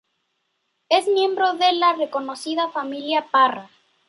Es miembro de la reconocida Familia Parra.